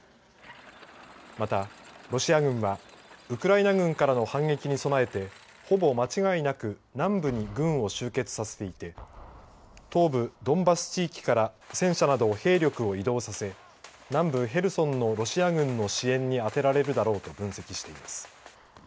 また、ロシア軍はウクライナ軍からの反撃に備えてほぼ間違いなく南部に軍を集結させていて東部ドンバス地域から戦車など兵力を移動させ南部ヘルソンのロシア軍の支援に充てられるだろうと分析しています。